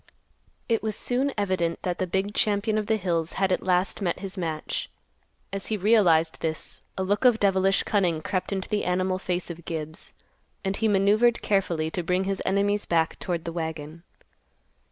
It was soon evident that the big champion of the hills had at last met his match. As he realized this, a look of devilish cunning crept into the animal face of Gibbs, and he maneuvered carefully to bring his enemy's back toward the wagon.